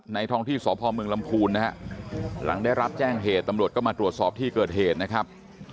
ท้องที่สพเมืองลำพูนนะฮะหลังได้รับแจ้งเหตุตำรวจก็มาตรวจสอบที่เกิดเหตุนะครับ